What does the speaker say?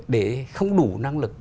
để không đủ năng lực